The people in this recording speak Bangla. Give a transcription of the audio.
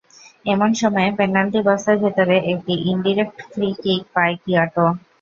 এমন সময় পেনাল্টি বক্সের ভেতরে একটি ইনডিরেক্ট ফ্রি কিক পায় কিয়োটো।